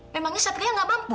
memangnya satria gak mampu